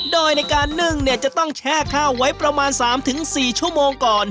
โดยในการนึ่งเนี่ยจะต้องแช่ข้าวไว้ประมาณ๓๔ชั่วโมงก่อน